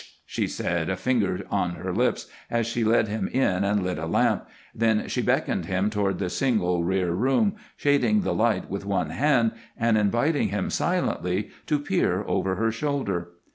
She laid a finger on her lips as she let him in and lit a lamp, then she beckoned him toward the single rear room, shading the light with one hand and inviting him silently to peer over her shoulder.